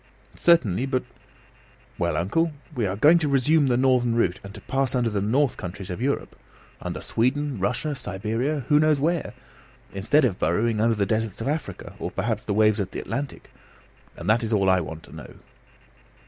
"Certainly; but " "Well, uncle, we are going to resume the northern route, and to pass under the north countries of Europe under Sweden, Russia, Siberia: who knows where? instead of burrowing under the deserts of Africa, or perhaps the waves of the Atlantic; and that is all I want to know."